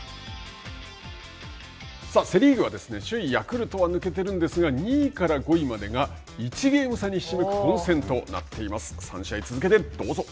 セ・リーグは首位ヤクルトは抜けていますが２位から５位までが１ゲーム差にひしめく混戦となっています。